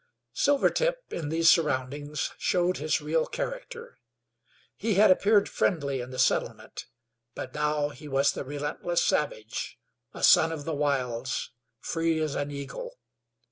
Silvertip, in these surroundings, showed his real character. He had appeared friendly in the settlement; but now he was the relentless savage, a son of the wilds, free as an eagle.